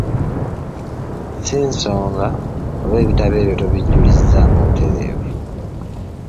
Ssi nsonga oba ebitabo ebyo tobijulizzaamu butereevu.